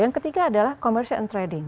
yang ketiga adalah commercial and trading